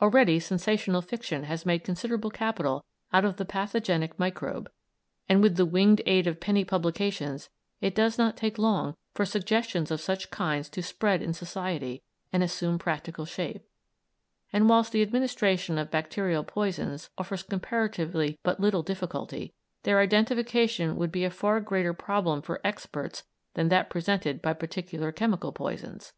Already sensational fiction has made considerable capital out of the pathogenic microbe, and with the winged aid of penny publications it does not take long for suggestions of such kinds to spread in society and assume practical shape, and whilst the administration of bacterial poisons offers comparatively but little difficulty, their identification would be a far greater problem for experts than that presented by particular chemical poisons.